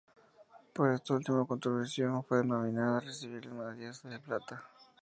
Por esta última contribución fue nominada a recibir una Diosa de Plata.